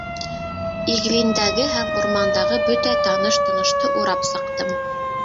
Иглиндәге һәм Урмандағы бөтә таныш-тоношто урап сыҡтым.